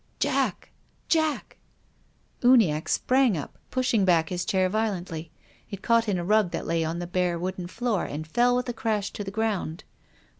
" Jack ! Jack !" Uniacke sprang up, pushing back his chair vio lently. It caught in a rug that lay on the bare wooden floor and fell with a crash to the ground.